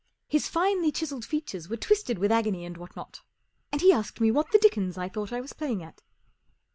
His finely chiselled features were twisted with agony and what not, and he asked me what the dickens I thought I was playing at.